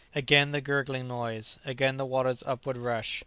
Again the gurgling noise! again the water's upward rush!